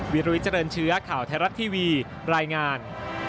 วิรวิเจริญเชื้อข่าวไทยรัฐทีวีรายงาน